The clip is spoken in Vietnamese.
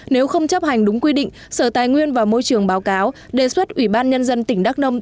nếu không chấp hành đúng quy định sở tài nguyên và môi trường báo cáo đề xuất ủy ban nhân dân tỉnh đắk nông